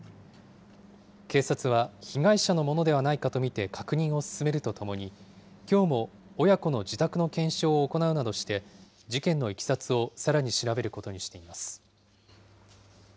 警察は、被害者のものではないかと見て確認を進めるとともに、きょうも親子の自宅の検証を行うなどして、事件のいきさつをさらに調べることにしています。